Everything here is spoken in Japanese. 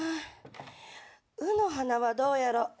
うの花はどうやろ？